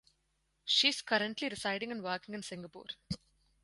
She is currently residing and working in Singapore.